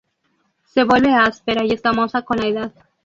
Se vuelve áspera y escamosa con la edad.